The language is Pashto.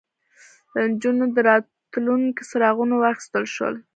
له نجونو د راتلونکي څراغونه واخیستل شول